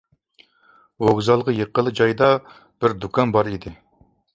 ۋوگزالغا يېقىنلا جايدا بىر دۇكان بار ئىدى.